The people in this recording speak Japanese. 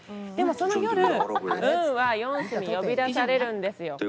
でもその夜ウンはヨンスに呼び出されるんですよ。